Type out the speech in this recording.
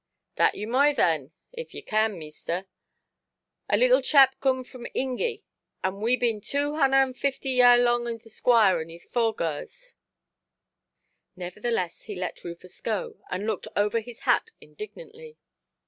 "That you moy then, if you can, meester. A leetle chap coom fram Ingy, an' we bin two hunner and feefty year 'long o' the squire and his foregoers"! Nevertheless he let Rufus go, and looked over his hat indignantly.